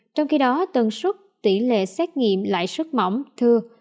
trong khi đó tần suất tỷ lệ xét nghiệm lại suất mỏng thưa